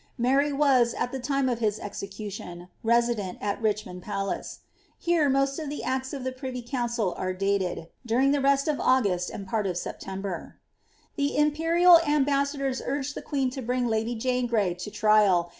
' Mary was. at the time of his eiecu* C lion, resident at Richmond Palace ; here most of the acts of the prifj^fl council are dated, during the rest of August and part of September The imperial aoibaftoadors urged the queen to bring lady Jane Gray Wk' 1 tfiftl.